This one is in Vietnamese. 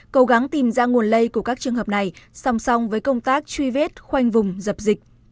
cố gắng tìm ra nguồn lây của các trường hợp này song song với công tác truy vết khoanh vùng dập dịch